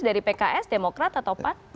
dari pks demokrat atau pan